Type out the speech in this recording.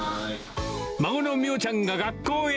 孫の美桜ちゃんが学校へ。